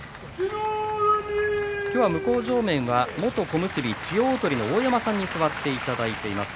向正面は元小結千代鳳の大山さんに座っていただいています。